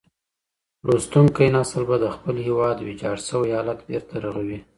لوستونکی نسل به د خپل هېواد ويجاړ سوی حالت بېرته رغوي.